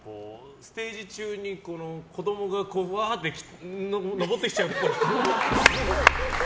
ステージ中に子供がうわーっと上ってきちゃうっぽい。